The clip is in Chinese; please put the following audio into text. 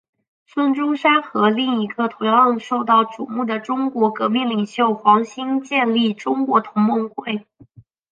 孙中山和另一个同样受到瞩目的中国革命领袖黄兴建立中国同盟会。